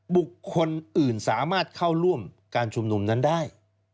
บุคคลอื่นสามารถเข้าร่วมการชุมนุมนั้นได้